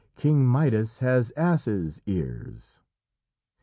King Midas has ass's ears!"